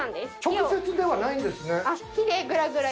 直接ではないんですね。